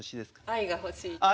愛が欲しいです。